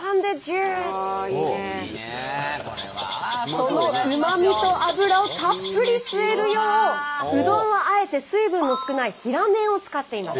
そのうまみと脂をたっぷり吸えるよううどんはあえて水分の少ない平麺を使っています。